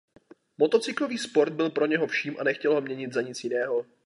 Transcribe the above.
Motocyklový sport byl pro něho vším a nechtěl ho měnit za nic jiného.